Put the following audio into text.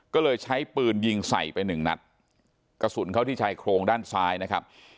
ก็เลยใช้ปืนยิงใส่ไปหนึ่งนัดกระสุนเข้าที่ชายโครงด้านซ้ายนะครับ